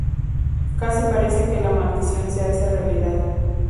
Casi parece que la maldición se hace realidad.